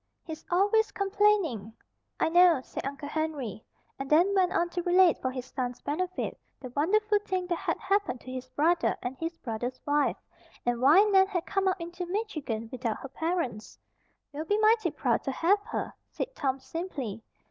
He's always complaining." "I know," said Uncle Henry, and then went on to relate for his son's benefit the wonderful thing that had happened to his brother and his brother's wife, and why Nan had come up into Michigan without her parents. "We'll be mighty proud to have her," said Tom simply.